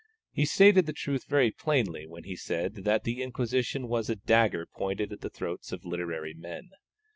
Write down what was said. He stated the truth very plainly when he said that the Inquisition was a dagger pointed at the throats of literary men.